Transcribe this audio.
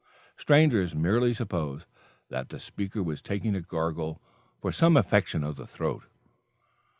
Strangers merely supposed that the Speaker was taking a gargle for some affection of the throat.